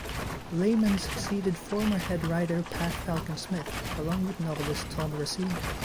Laiman succeeded former Head Writer, Pat Falken Smith, along with novelist Thom Racina.